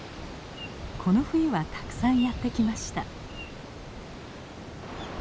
この冬はたくさんやって来ました。